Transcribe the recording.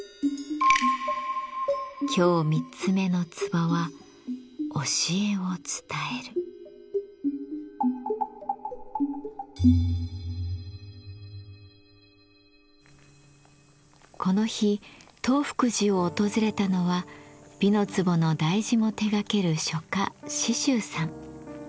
今日３つ目の壺はこの日東福寺を訪れたのは「美の壺」の題字も手がける書家紫舟さん。